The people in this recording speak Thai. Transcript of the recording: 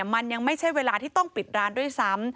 มันยังไม่ใช่เวลาที่ต้องปิดร้านด้วยซ้ำ